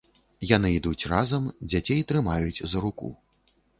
Яны ідуць разам, дзяцей трымаюць за руку.